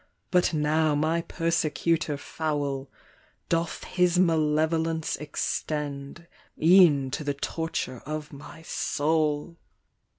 Bur now mv persecutor foul, Doth hw malevolence extend fi'eii to the torture ot my soul.